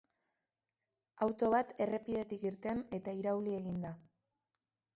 Auto bat errepidetik irten eta irauli egin da.